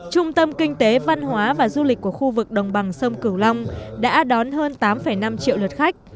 trung tâm kinh tế văn hóa và du lịch của khu vực đồng bằng sông cửu long đã đón hơn tám năm triệu lượt khách